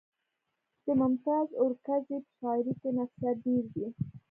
د ممتاز اورکزي په شاعرۍ کې نفسیات ډېر دي